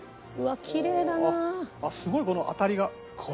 あっすごいこの当たりが。